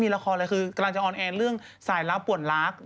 โอลี่คัมรี่ยากที่ใครจะตามทันโอลี่คัมรี่ยากที่ใครจะตามทัน